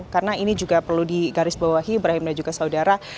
karena ini juga perlu digarisbawahi ibrahim dan juga saudara